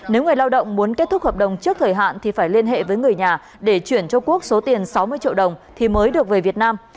nếu người lao động muốn kết thúc hợp đồng trước thời hạn thì phải liên hệ với người nhà để chuyển cho quốc số tiền sáu mươi triệu đồng thì mới được về việt nam